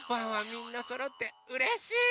みんなそろってうれしい！